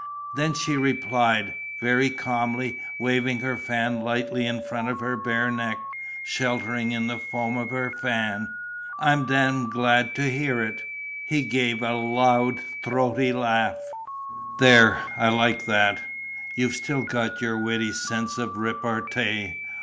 Then she replied, very calmly, waving her fan lightly in front of her bare neck, sheltering in the foam of her fan: "I'm damned glad to hear it!" He gave a loud, throaty laugh: "There, I like that! You've still got your witty sense of repartee.